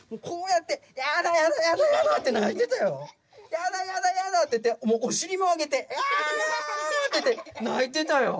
やだやだやだって言ってお尻も上げてあんって泣いてたよ。